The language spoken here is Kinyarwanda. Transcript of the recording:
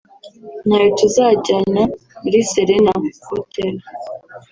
ntayo tuzajyana muri Serena (Hotel)